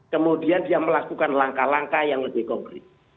kemudian dia melakukan langkah langkah yang lebih konkret